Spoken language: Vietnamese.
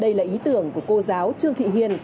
đây là ý tưởng của cô giáo trương thị hiền